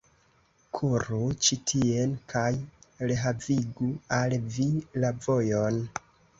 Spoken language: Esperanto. Kuru ĉi tien, kaj rehavigu al vi la vojon!